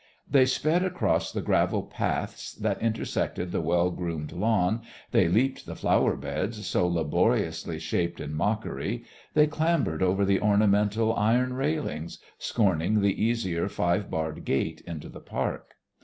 They sped across the gravel paths that intersected the well groomed lawn, they leaped the flower beds, so laboriously shaped in mockery, they clambered over the ornamental iron railings, scorning the easier five barred gate into the park.